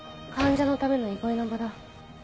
患者のための憩いの場だ。